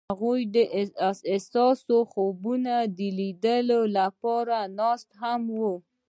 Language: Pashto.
هغوی د حساس خوبونو د لیدلو لپاره ناست هم وو.